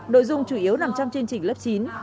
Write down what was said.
nội dung chủ yếu nằm trong chương trình lớp chín